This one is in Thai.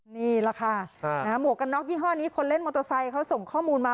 นี่แหละค่ะหมวกกันน็อกยี่ห้อนี้คนเล่นมอเตอร์ไซค์เขาส่งข้อมูลมา